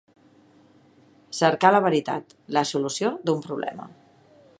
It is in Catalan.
Cercar la veritat, la solució d'un problema.